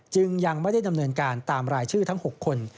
ยังไม่ได้ดำเนินการตามรายชื่อทั้ง๖คน